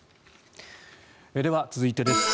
では、続いてです。